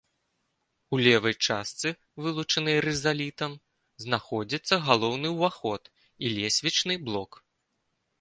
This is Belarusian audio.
У левай частцы, вылучанай рызалітам, знаходзіцца галоўны ўваход і лесвічны блок.